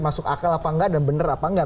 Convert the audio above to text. masuk akal apa nggak dan benar apa nggak